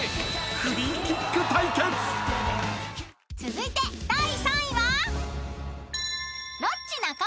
［続いて第３位は］